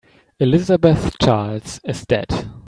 Elizabeth Charles is dead.